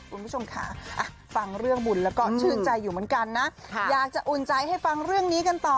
คุณผู้ชมค่ะฟังเรื่องบุญแล้วก็ชื่นใจอยู่เหมือนกันนะอยากจะอุ่นใจให้ฟังเรื่องนี้กันต่อ